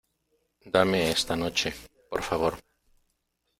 dame esta noche, por favor.